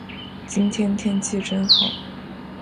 今天天气真好。